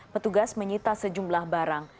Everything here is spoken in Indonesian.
petugas menyita sejumlah barang